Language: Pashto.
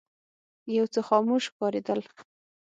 یو څه خاموش ښکارېدل.